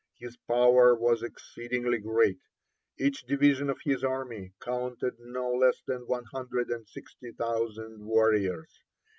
(25) His power was exceedingly great; each division of his army counted no less than one hundred and sixty thousand warriors.